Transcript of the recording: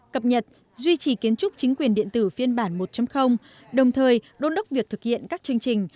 cập nhật duy trì kiến trúc chính quyền điện tử phiên bản một đồng thời đôn đốc việc thực hiện các chương trình